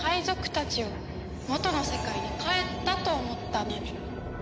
賊たちは元の世界に帰ったと思ったのに。